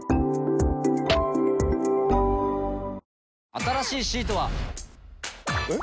新しいシートは。えっ？